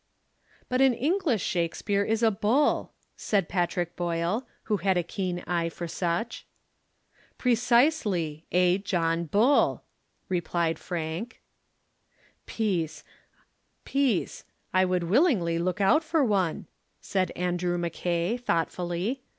"But an English Shakespeare is a bull," said Patrick Boyle, who had a keen eye for such. "Precisely. A John Bull," replied Frank. "Peace. I would willingly look out for one," said Andrew Mackay, thoughtfully.